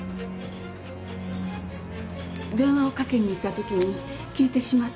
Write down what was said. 電話をかけに行ったときに聞いてしまって。